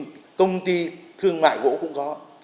rồi công ty thương mại gỗ cũng có